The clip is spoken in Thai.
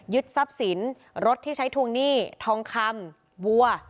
ทรัพย์สินรถที่ใช้ทวงหนี้ทองคำวัว